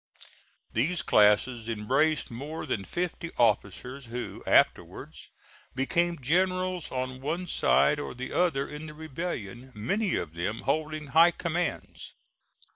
These classes embraced more than fifty officers who afterwards became generals on one side or the other in the rebellion, many of them holding high commands.